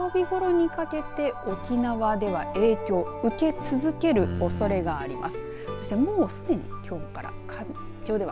ですので、この先土曜日ごろにかけて沖縄では影響を受け続けるおそれがあります。